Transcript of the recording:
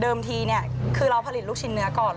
ทีเนี่ยคือเราผลิตลูกชิ้นเนื้อก่อน